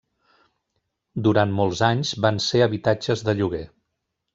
Durant molts anys van ser habitatges de lloguer.